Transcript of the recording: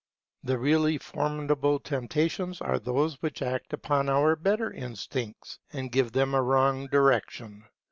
The really formidable temptations are those which act upon our better instincts, and give them a wrong direction.